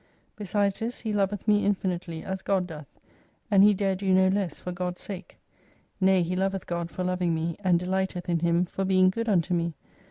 Besides this he loveth me infinitely, as God doth ; and he dare do no less for God's sake. Nay he loveth God for loving me, and delighteth in Him for being good unto me.